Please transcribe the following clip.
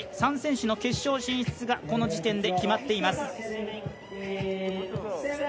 ３選手の決勝進出がこの時点で決まっています。